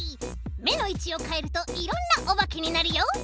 めのいちをかえるといろんなおばけになるよ！